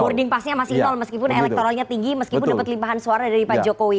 boarding passnya masih nol meskipun elektoralnya tinggi meskipun dapat limpahan suara dari pak jokowi